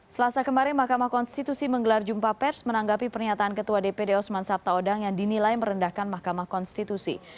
selasa kemarin mahkamah konstitusi menggelar jumpa pers menanggapi pernyataan ketua dpd osman sabtaodang yang dinilai merendahkan mahkamah konstitusi